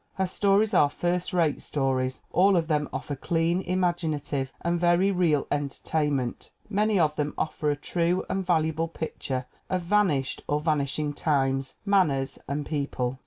Her stories are first rate stories; all of them offer clean, imaginative and very real en tertainment; many of them offer a true and valuable picture of vanished or vanishing times, manners and people.